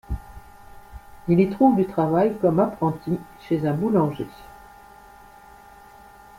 Il y trouve du travail comme apprenti chez un boulanger.